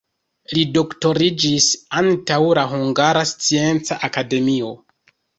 Li doktoriĝis antaŭ la Hungara Scienca Akademio.